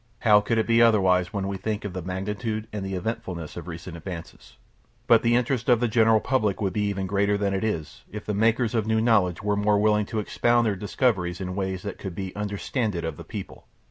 How could it be otherwise when we think of the magnitude and the eventfulness of recent advances? But the interest of the general public would be even greater than it is if the makers of new knowledge were more willing to expound their discoveries in ways that could be "understanded of the people."